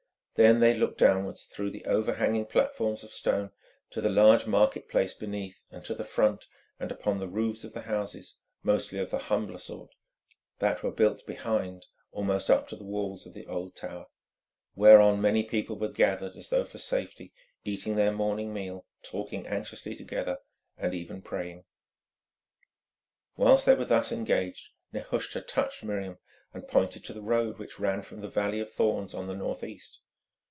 Then they looked downwards through the overhanging platforms of stone to the large market place beneath and to the front, and upon the roofs of the houses, mostly of the humbler sort, that were built behind almost up to the walls of the Old Tower, whereon many people were gathered as though for safety, eating their morning meal, talking anxiously together, and even praying. Whilst they were thus engaged, Nehushta touched Miriam and pointed to the road which ran from the Valley of Thorns on the northeast.